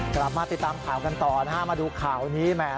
กลับมาติดตามข่าวกันต่อนะฮะมาดูข่าวนี้แหม